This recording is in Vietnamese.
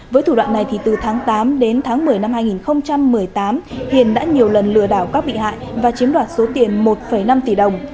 với thủ đoạn này từ tháng tám đến tháng một mươi năm hai nghìn một mươi tám hiền đã nhiều lần lừa đảo các bị hại và chiếm đoạt số tiền một năm tỷ đồng